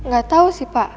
gak tau sih pak